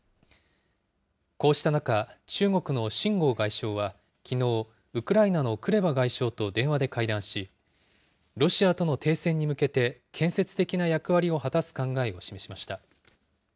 こうした中、中国の秦剛外相はきのう、ウクライナのクレバ外相と電話で会談し、ロシアとの停戦に向けて建設的な役割を果たす考えを示しました。